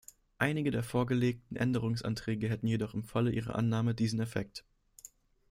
Einige der vorgelegten Änderungsanträge hätten jedoch im Falle ihrer Annahme diesen Effekt.